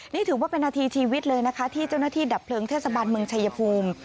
นี่ถือว่าเป็นนาทีชีวิตเลยนะคะที่เจ้าหน้าที่ดับเพลิงเทศบาลเมืองชายภูมิ